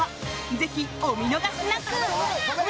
ぜひ、お見逃しなく！